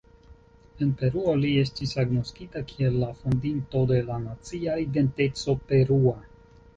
En Peruo li estis agnoskita kiel la fondinto de la nacia identeco perua.